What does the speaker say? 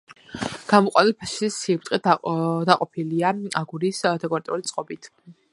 გამოყვანილი ფასადის სიბრტყე დაყოფილია აგურის დეკორატიული წყობით.